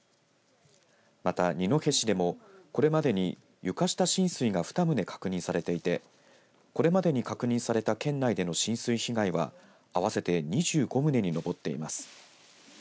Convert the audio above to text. また二戸市でも、これまでに床下浸水が２棟、確認されていてこれまでに確認された県内での浸水被害は合わせて２５棟に上っています。